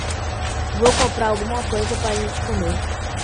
Vou comprar alguma coisa para gente comer.